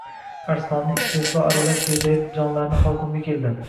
Arslonning istehzo aralash gerdayib jonlari halqumga keldi